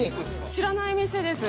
知らない店です。